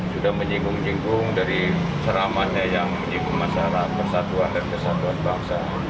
sudah menyinggung nyinggung dari ceramahnya yang menyinggung masalah persatuan dan kesatuan bangsa